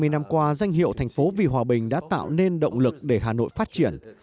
hai mươi năm qua danh hiệu thành phố vì hòa bình đã tạo nên động lực để hà nội phát triển